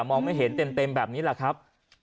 มองไม่เห็นเต็มแบบนี้แหละครับ